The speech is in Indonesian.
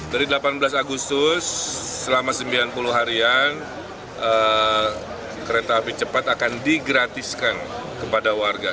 jadi delapan belas agustus selama sembilan puluh harian kereta api cepat akan digratiskan kepada warga